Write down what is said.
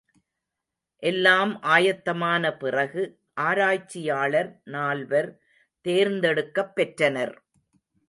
எல்லாம் ஆயத்தமான பிறகு, ஆராய்ச்சியாளர் நால்வர் தேர்ந்தெடுக்கப் பெற்றனர்.